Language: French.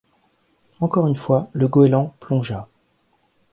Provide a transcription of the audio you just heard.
Encore une fois le goéland plongea